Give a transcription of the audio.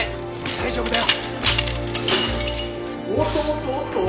大丈夫だよ！